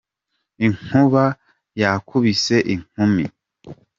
Inkuba yakubise inkumi.